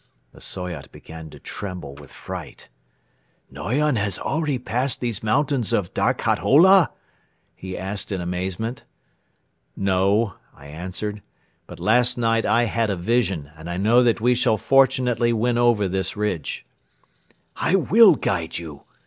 The Soyot began to tremble with fright. "Noyon has already passed these mountains of Darkhat Ola?" he asked in amazement. "No," I answered, "but last night I had a vision and I know that we shall fortunately win over this ridge." "I will guide you!"